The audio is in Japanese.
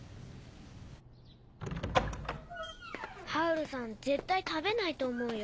ハウルさん絶対食べないと思うよ。